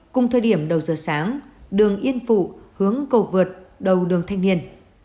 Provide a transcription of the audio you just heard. cùng thời điểm đầu giờ sáng đường yên phụ hướng cầu vượt đầu đường thanh niên